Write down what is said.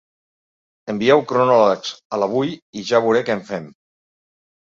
Envieu cronòlegs a l'Avui i ja veuré què en fem.